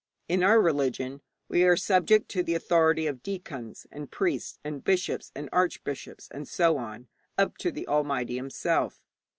In our religion we are subject to the authority of deacons and priests and bishops and archbishops, and so on up to the Almighty Himself.